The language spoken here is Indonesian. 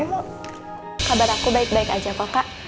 ibu kabar aku baik baik aja kok kak